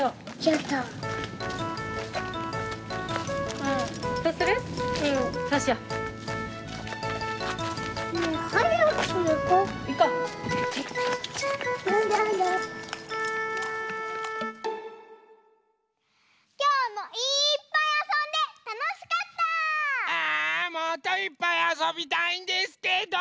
えもっといっぱいあそびたいんですけど！